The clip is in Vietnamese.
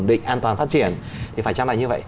ổn định an toàn phát triển thì phải chăm lại như vậy